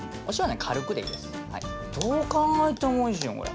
どう考えてもおいしいよこれ。